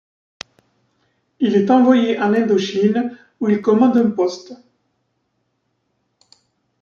Il est envoyé en Indochine où il commande un poste.